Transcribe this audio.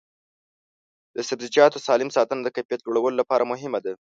د سبزیجاتو سالم ساتنه د کیفیت لوړولو لپاره مهمه ده.